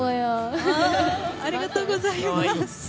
ありがとうございます！